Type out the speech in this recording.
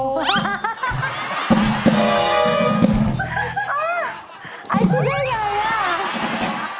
ไอ้ชิ้นใหญ่